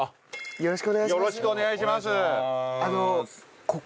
よろしくお願いします。